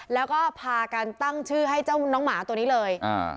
แล้วก็พากันตั้งชื่อให้เจ้าน้องหมาตัวนี้เลยอ่า